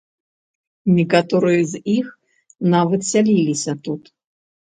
Некаторыя з іх нават сяліліся тут.